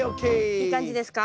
いい感じですか？